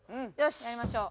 やりましょう。